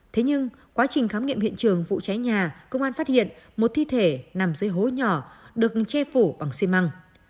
thế nhưng quá trình khám nghiệm hiện trường vụ cháy nhà công an phát hiện một thi thể nằm dưới hố nhỏ được che phủ bằng xi măng